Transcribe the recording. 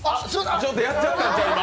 ちょっとやっちゃったんちゃう？